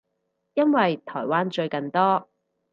因為台灣最近多